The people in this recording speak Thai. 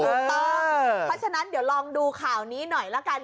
ถูกต้องเพราะฉะนั้นเดี๋ยวลองดูข่าวนี้หน่อยละกัน